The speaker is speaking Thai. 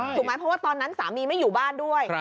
ถูกไหมตอนนั้นว่าสามีไม่อยู่บ้านด้วย